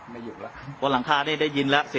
ไม่มีผมก็ไม่อยู่แล้ว